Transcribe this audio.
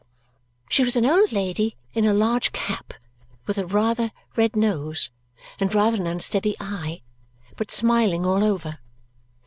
She was an old lady in a large cap, with rather a red nose and rather an unsteady eye, but smiling all over.